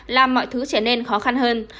làm mọi thứ trở nên khó khăn hơn